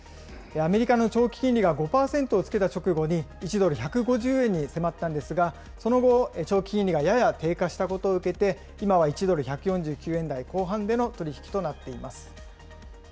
アメリカの長期金利が５％をつけた直後に、１ドル１５０円に迫ったんですが、その後、長期金利がやや低下したことを受けて、今は１ドル１４９円台後半での取り引きとなっています。